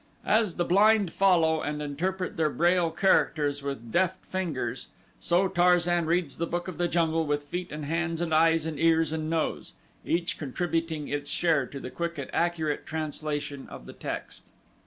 As the blind follow and interpret their Braille characters with deft fingers, so Tarzan reads the book of the jungle with feet and hands and eyes and ears and nose; each contributing its share to the quick and accurate translation of the text.